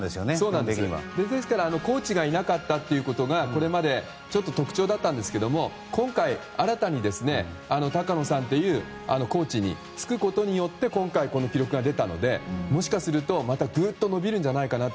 ですからコーチがいなかったということがこれまでちょっと特徴だったんですけども今回、新たに高野さんというコーチにつくことによって今回この記録が出たのでもしかすると、またグッと伸びるんじゃないかなと。